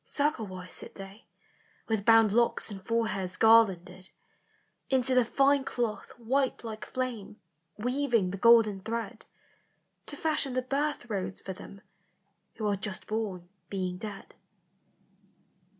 " Circle wise sit they, with bound locks And foreheads garlanded ; Into the fine cloth white like flame Weaving the golden thread, To fashion the birth robes for them Who are just born, being dead.